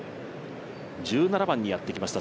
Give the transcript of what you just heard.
１７番にやってきました、